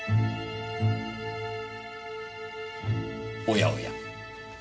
おやおや。